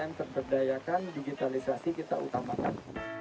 umkm terperdayakan digitalisasi kita utamakan